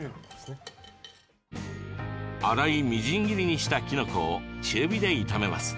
粗いみじん切りにしたきのこを中火で炒めます。